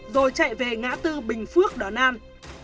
rồi chạy về ngã tư bình phước đón an